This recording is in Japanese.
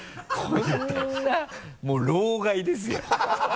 こんなもう老害ですよ。